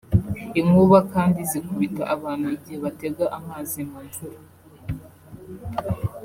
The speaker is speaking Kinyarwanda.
Inkuba kandi zikubita abantu igihe batega amazi mu mvura